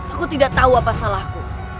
aku tidak tahu apa salahku